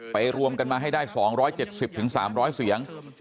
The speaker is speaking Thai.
รวมกันมาให้ได้๒๗๐๓๐๐เสียง